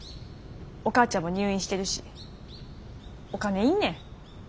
お母ちゃんも入院してるしお金要んねん。